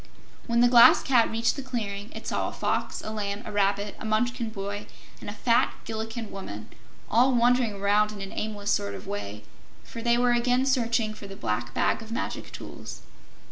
When the Glass Cat reached the clearing, it saw a Fox, a Lamb, a Rabbit, a Munchkin boy and a fat Gillikin woman, all wandering around in an aimless sort of way, for they were again searching for the Black Bag of Magic Tools.